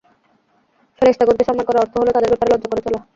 ফেরেশতাগণকে সম্মান করার অর্থ হলো, তাদের ব্যাপারে লজ্জা করে চলা।